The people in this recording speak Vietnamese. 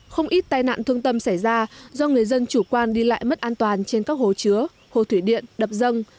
không ít tai nạn thương tâm xảy ra do người dân chủ quan đi lại mất an toàn trên các hồ chứa hồ thủy điện đập dân